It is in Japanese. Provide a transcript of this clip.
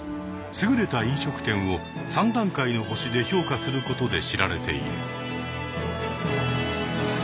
優れた飲食店を３段階の星で評価することで知られている。